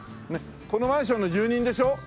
このマンションの住人でしょ？